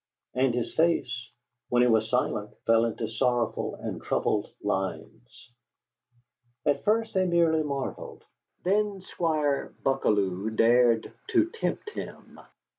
And his face, when he was silent, fell into sorrowful and troubled lines. At first they merely marvelled. Then Squire Buckalew dared to tempt him.